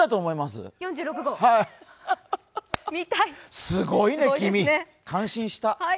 すごいね、君、感心した。